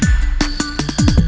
gak ada yang nungguin